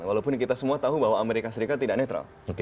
walaupun kita semua tahu bahwa amerika serikat tidak netral